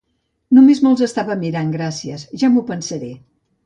Només me'ls estava mirant, gràcies, ja m'ho pensaré.